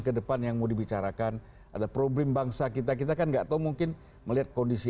kedepan yang mau dibicarakan ada problem bangsa kita kita kan enggak tahu mungkin melihat kondisi